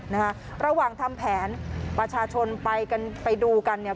นะฮะระหว่างทำแผนประชาชนไปกันไปดูกันเนี่ย